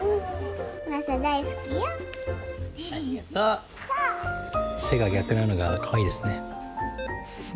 「せ」が逆なのがかわいいですね。